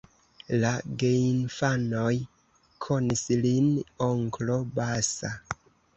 La geinfanoj konis lin "onklo Basa".